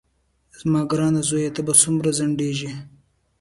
زما ګرانه زویه ته به څومره ځنډېږې.